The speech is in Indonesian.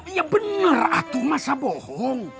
iya benar atau masa bohong